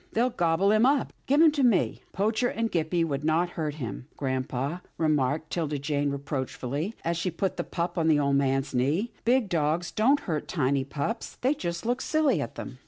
" They'll gobble him up. Give him to me." '*' Poacher and Gippie would not hurt him, grampa," remarked 'Tilda Jane reproachfully, as she put the pup on the old man's knee. " Big dogs don't hurt tiny pups. They just look silly at them."